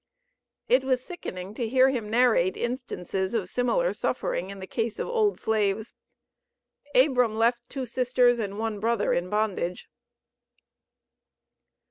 It was sickening to hear him narrate instances of similar suffering in the case of old slaves. Abram left two sisters and one brother in bondage.